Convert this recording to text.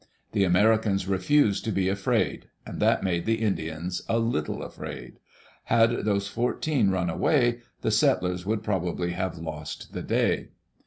The Americans refused to be afraid; and that made the Indians a little afraid. Had those fourteen run away, the settlers would probably have lost the day.